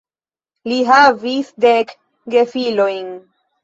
Li havis dek gefilojn.